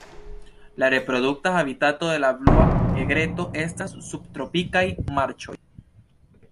La reprodukta habitato de la Blua egreto estas subtropikaj marĉoj.